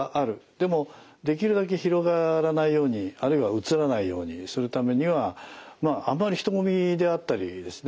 でもできるだけ広がらないようにあるいはうつらないようにするためにはまああんまり人混みであったりですね